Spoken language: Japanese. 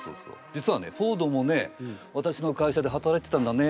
実はねフォードもねわたしの会社で働いてたんだね